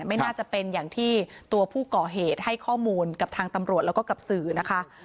ไม่น่าจะเป็นอย่างที่ตัวผู้ก่อเหตุให้ข้อมูลกับทางตำรวจแล้วก็กับสื่อนะคะ